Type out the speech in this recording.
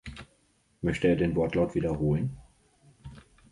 Möchte er den Wortlaut wiederholen?